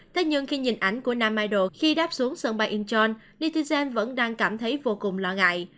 thế nhưng khi nhìn ảnh của nam ido khi đáp xuống sân bay incheon netizen vẫn đang cảm thấy vô cùng lo ngại